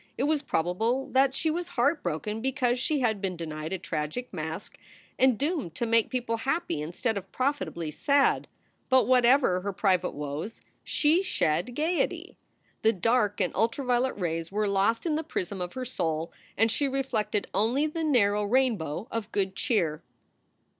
It was prob able that she was heartbroken because she had been denied a tragic mask and doomed to make people happy instead of profitably sad. But whatever her private woes, she shed gayety. The dark and ultraviolet rays were lost in the prism of her soul and she reflected only the narrow rainbow of good cheer.